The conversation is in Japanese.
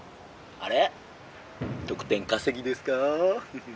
「あれ得点稼ぎですか？」。